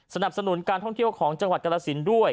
สนับสนุนการท่องเที่ยวของจังหวัดกรสินด้วย